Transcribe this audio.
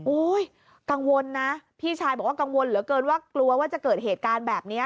กังวลนะพี่ชายบอกว่ากังวลเหลือเกินว่ากลัวว่าจะเกิดเหตุการณ์แบบนี้